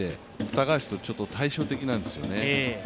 高橋とちょっと対照的なんですよね。